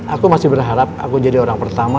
aku masih berharap aku jadi orang pertama